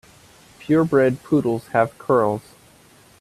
Pure bred poodles have curls.